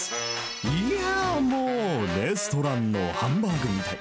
いやー、もうレストランのハンバーグみたい。